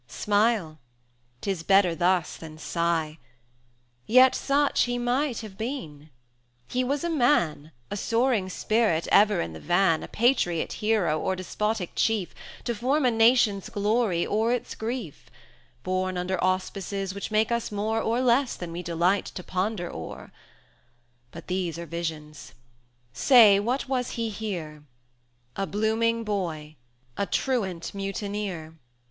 Smile; 'tis better thus than sigh; Yet such he might have been; he was a man, A soaring spirit, ever in the van, A patriot hero or despotic chief,[fm] To form a nation's glory or its grief, Born under auspices which make us more Or less than we delight to ponder o'er. But these are visions; say, what was he here? A blooming boy, a truant mutineer.